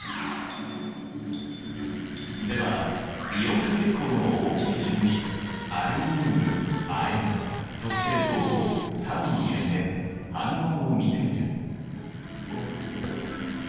ではイオン化傾向の大きい順にアルミ二ウム亜鉛そして銅を酸に入れて反応を見てみる。